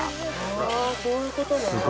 あそういうことね。